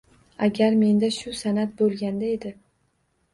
Agar menda shu san’at bo’lganda edi